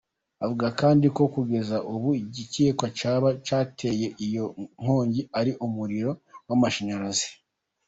Avuga kandi ko kugeza ubu, igikekwa cyaba cyateye iyo nkongi, ari umuriro w’amashanyarazi.